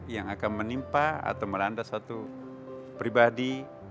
yang akan menimpa atau melanda satu pribadi